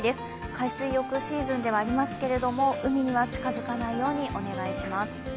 海水浴シーズンではありますけれども海には近づかないようにお願いします。